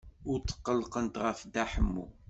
Ur tqellqent ɣef Dda Ḥemmu.